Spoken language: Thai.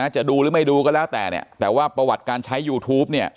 จะดูหรือไม่ดูก็แล้วแต่เนี่ยแต่ว่าประวัติการใช้ยูทูป